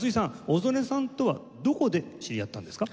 小曽根さんとはどこで知り合ったんですか？